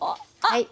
はい。